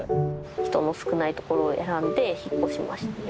「人の少ないところを選んで引っ越しました」。